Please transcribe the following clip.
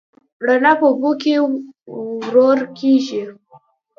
رڼا په اوبو کې ورو کېږي.